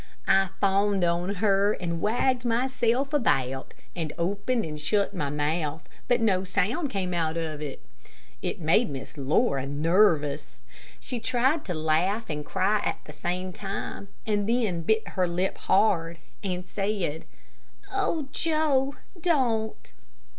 I fawned on her, and wagged myself about, and opened and shut my mouth, but no sound came out of it. It made Miss Laura nervous. She tried to laugh and cry at the same time, and then bit her lip hard, and said: "Oh, Joe, don't."